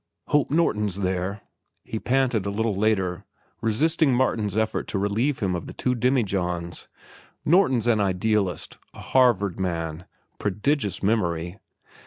"Hope Norton's there," he panted a little later, resisting Martin's effort to relieve him of the two demijohns. "Norton's an idealist—a Harvard man. Prodigious memory.